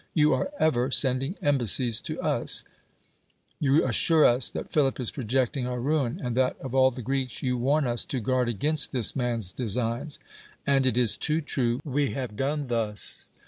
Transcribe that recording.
you are ever sending embassies to us; you assure us that Philip is projecting our ruin, and that, of all the Greeks, you warn us to guard against this man's designs." (x\nd it is too true we have done thus.)